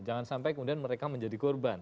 jangan sampai kemudian mereka menjadi korban